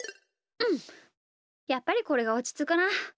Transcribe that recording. うんやっぱりこれがおちつくな。